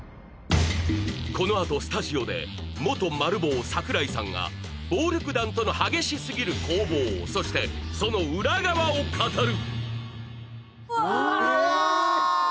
このあとスタジオで元マル暴櫻井さんが暴力団との激しすぎる攻防そしてその裏側を語る